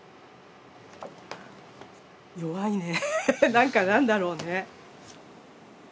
弱いね何か何だろうね。